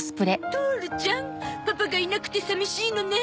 トオルちゃんパパがいなくて寂しいのね。